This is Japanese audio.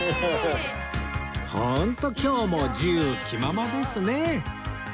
本当今日も自由気ままですね